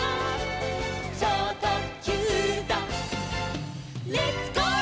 「ちょうとっきゅうだレッツ・ゴー！」